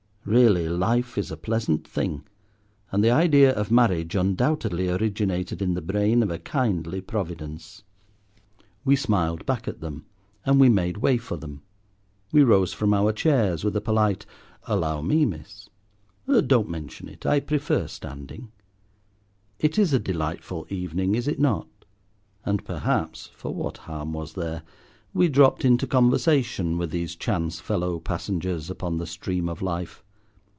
Really life is a pleasant thing, and the idea of marriage undoubtedly originated in the brain of a kindly Providence. We smiled back at them, and we made way for them; we rose from our chairs with a polite, "Allow me, miss," "Don't mention it, I prefer standing." "It is a delightful evening, is it not?" And perhaps—for what harm was there?—we dropped into conversation with these chance fellow passengers upon the stream of life.